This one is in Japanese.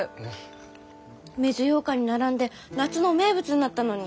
水ようかんに並んで夏の名物になったのに。